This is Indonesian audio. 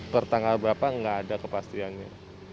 per tanggal berapa nggak ada kepastiannya